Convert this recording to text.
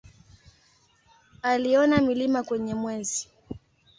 Aliona milima kwenye Mwezi.